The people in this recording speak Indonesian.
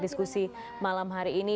diskusi malam hari ini